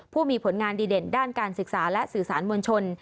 ผู้มีผลงานดีเด่นด้านการศึกษาและสื่อสารมวลชน